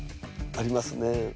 ありますね。